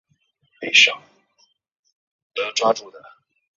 亦被报导为吸毒嫌疑犯。